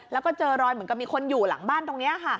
แล้วก็เจอรอยเหมือนกับมีคนอยู่หลังบ้านตรงนี้ค่ะ